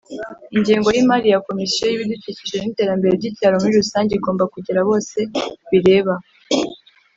Ingengo y’imari ya Komisiyo y’ibidukikije n’iterambere ry’icyaro muri rusange igomba kugera bose bireba.